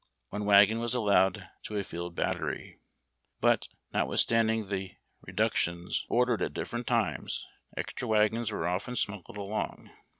One wagon was allowed to a field battery. But, notwithstanding tlie reductions ordered at different tinies, extra wagons were often smuggled along.